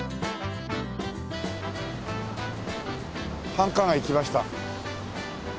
繁華街来ました。